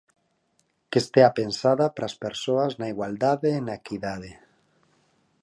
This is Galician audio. Que estea pensada para as persoas, na igualdade e na equidade.